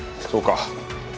そうか。